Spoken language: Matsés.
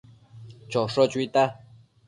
Chosho chuita